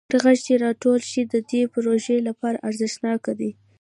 هر غږ چې راټول شي د دې پروژې لپاره ارزښتناک دی.